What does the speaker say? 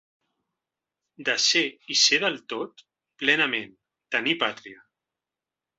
De ser i ser del tot, plenament: tenir pàtria.